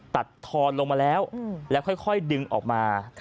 ทอนลงมาแล้วแล้วค่อยดึงออกมา